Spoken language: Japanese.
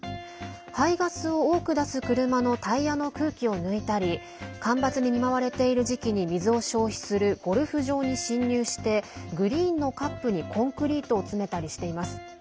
排ガスを多く出す車のタイヤの空気を抜いたり干ばつに見舞われている時期に水を消費するゴルフ場に侵入してグリーンのカップにコンクリートを詰めたりしています。